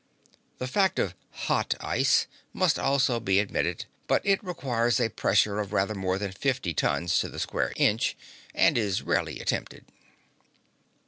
The fact of "hot" ice must also be admitted, but it requires a pressure of rather more than fifty tons to the square inch, and is rarely attempted.